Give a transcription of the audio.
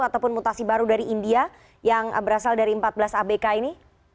ataupun mutasi baru dari india yang berasal dari empat belas abk ini